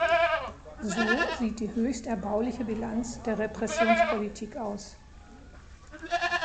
So sieht die höchst erbauliche Bilanz der Repressionspolitik aus.